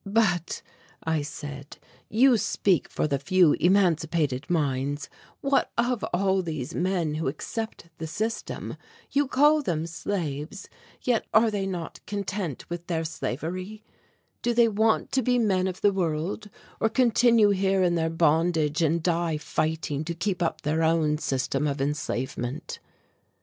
"But," I said, "you speak for the few emancipated minds; what of all these men who accept the system you call them slaves, yet are they not content with their slavery, do they want to be men of the world or continue here in their bondage and die fighting to keep up their own system of enslavement?"